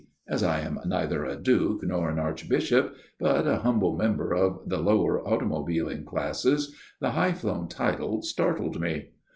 As I am neither a duke nor an archbishop, but a humble member of the lower automobiling classes, the high flown title startled me.